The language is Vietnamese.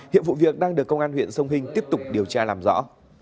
hiệp vụ việc đang được công an huyện sông hinh tiếp tục điều tra làm rõ